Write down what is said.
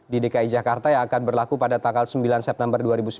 di dki jakarta yang akan berlaku pada tanggal sembilan september dua ribu sembilan belas